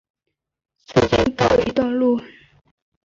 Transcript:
事件告一段落。